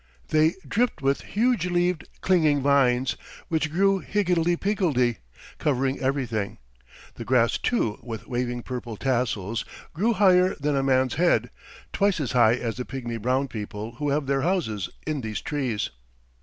They dripped with huge leaved, clinging vines, which grew higgledy piggledy, covering everything. The grass, too, with waving purple tassels, grew higher than a man's head, twice as high as the pigmy brown people who have their houses in these trees.